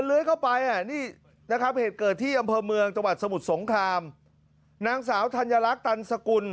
ลื้อได้ไหมลื้อได้ใช่ไหม